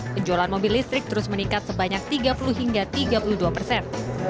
penjualan mobil listrik terus meningkat sebanyak tiga puluh hingga tiga puluh dua persen